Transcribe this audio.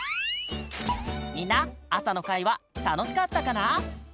みんなあさのかいはたのしかったかな？